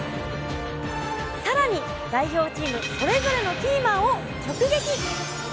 更に代表チームそれぞれのキーマンを直撃！